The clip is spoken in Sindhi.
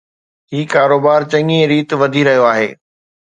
هي ڪاروبار چڱي ريت وڌي رهيو آهي.